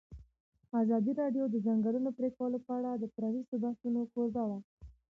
ازادي راډیو د د ځنګلونو پرېکول په اړه د پرانیستو بحثونو کوربه وه.